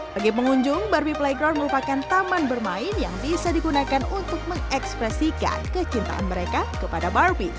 bagi pengunjung barbie playground merupakan taman bermain yang bisa digunakan untuk mengekspresikan kecintaan mereka kepada barbie